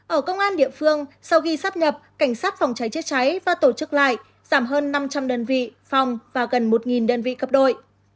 ở công an địa phương sau khi sắp nhập cảnh sát phòng cháy chữa cháy và tổ chức lại giảm hơn năm trăm linh đơn vị phòng và gần một đơn vị cấp đội